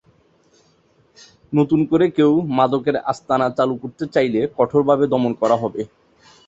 নতুন করে কেউ মাদকের আস্তানা চালু করতে চাইলে কঠোরভাবে দমন করা হবে।